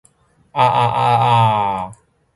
啊啊啊啊啊